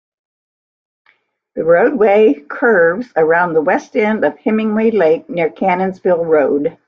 The roadway curves around the west end of Hemmingway Lake near Cannonsville Road.